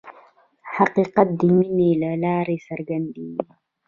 حقیقت د مینې له لارې څرګندېږي.